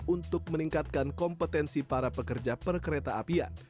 untuk meningkatkan kompetensi para pekerja perkereta apian